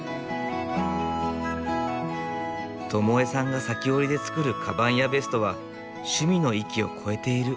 智江さんが裂き織りで作るカバンやベストは趣味の域を超えている。